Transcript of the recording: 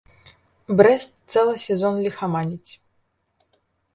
Брэст цэлы сезон ліхаманіць.